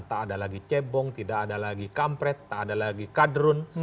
tak ada lagi cebong tidak ada lagi kampret tak ada lagi kadrun